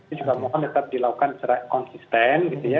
ini juga mohon tetap dilakukan secara konsisten gitu ya